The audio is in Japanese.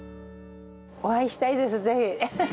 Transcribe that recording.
お会いしたいです、ぜひ。